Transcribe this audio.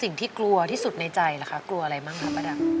กลัวที่สุดในใจเหรอคะกลัวอะไรบ้างคะป้าดำ